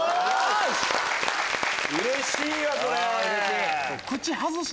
うれしいわこれ！